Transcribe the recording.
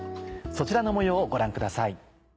そちらの模様をご覧ください。